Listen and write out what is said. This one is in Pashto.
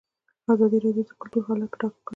ازادي راډیو د کلتور حالت په ډاګه کړی.